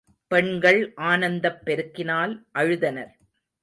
பெண்கள் ஆனந்தப் பெருக்கினால் அழுதனர்.